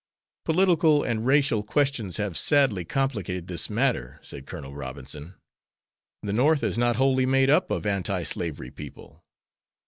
"Political and racial questions have sadly complicated this matter," said Colonel Robinson. "The North is not wholly made up of anti slavery people.